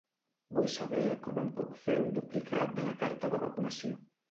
Vull saber com em puc fer un duplicat de la carta de vacunació.